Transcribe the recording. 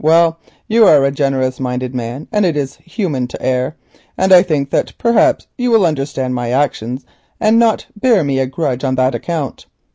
Well, you are a generous minded man, and it is human to err, so I think that perhaps you will understand my action and not bear me a grudge on that account.